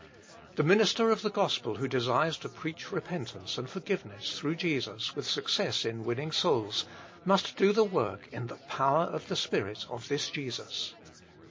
The minister of the gospel who desires to preach repentance and forgiveness through Jesus with success in winning souls, must do the work in the power of the Spirit of this Jesus.